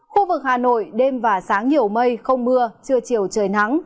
khu vực hà nội đêm và sáng nhiều mây không mưa trưa chiều trời nắng